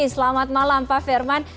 selamat malam pak firman